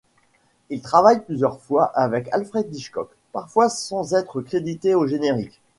Il travaille plusieurs fois avec Alfred Hitchcock, parfois sans être crédité au générique.